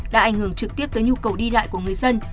đã ảnh hưởng trực tiếp tới nhu cầu đi lại của người dân